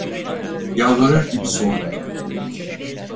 Yalvarır gibi sordum.